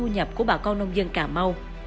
nhập của bà con nông dân cà mau